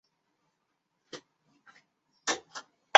会议重点学习领会习近平新时代中国特色社会主义思想